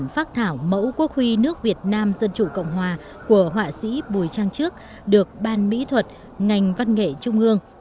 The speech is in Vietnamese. phát thảo mẫu quốc huy nước việt nam dân chủ cộng hòa của họa sĩ bùi trang trước được ban mỹ thuật ngành văn nghệ trung ương